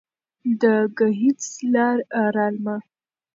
زه ګهيځ رالمه